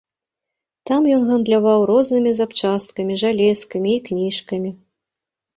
Там ён гандляваў рознымі запчасткамі, жалезкамі і кніжкамі.